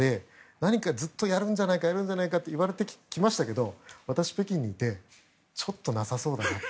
何かずっとやるんじゃないかと言われてきましたけど私、北京にいてちょっとなさそうだなと。